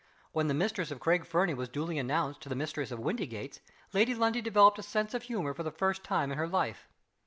When the mistress of Craig Fernie was duly announced to the mistress of Windygates, Lady Lundie developed a sense of humor for the first time in her life.